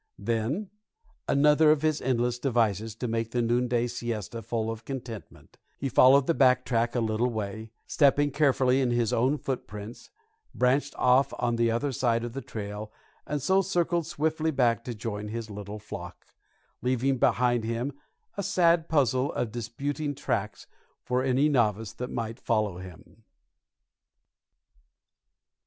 Then another of his endless devices to make the noonday siesta full of contentment he followed the back track a little way, stepping carefully in his own footprints; branched off on the other side of the trail, and so circled swiftly back to join his little flock, leaving behind him a sad puzzle of disputing tracks for any novice that might follow him.